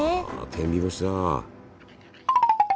天日干しだ。